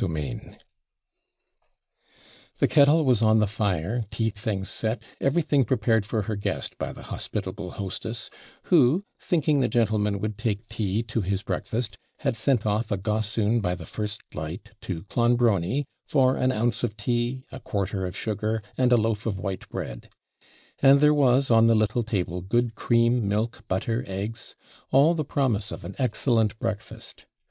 CHAPTER XI The kettle was on the fire, tea things set, everything prepared for her guest by the hospitable hostess, who, thinking the gentleman would take tea to his breakfast, had sent off a GOSSOON by the FIRST LIGHT to Clonbrony, for an ounce of tea, a QUARTER OF SUGAR, and a loaf of white bread; and there was on the little table good cream, milk, butter, eggs all the promise of an excellent breakfast.